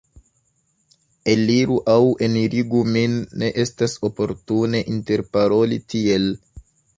Eliru aŭ enirigu min, ne estas oportune interparoli tiel!